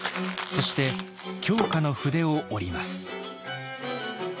そして狂歌の筆を折ります。